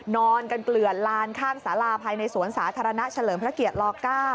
นอนกันเกลือนลานข้างสาราภายในสวนสาธารณะเฉลิมพระเกียรติล๙